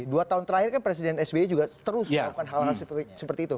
dua tahun terakhir kan presiden sbi juga terus melakukan hal hal seperti itu